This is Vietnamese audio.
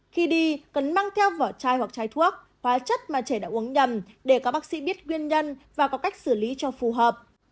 khi đi cần mang theo vỏ chai hoặc chai thuốc hóa chất mà trẻ đã uống nhầm để các bác sĩ biết nguyên nhân và có cách xử lý cho phù hợp